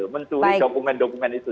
mencuri dokumen dokumen itu